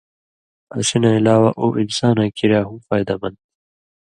اسی نہ علاوہ اُو انساناں کریا ہُم فائدہ مند تھی۔